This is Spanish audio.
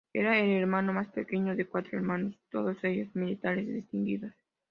Era el hermano más pequeño de cuatro hermanos, todos ellos militares distinguidos.